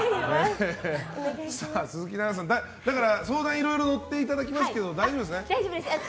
鈴木奈々さん、だから相談いろいろ乗っていただきますけど大丈夫ですね？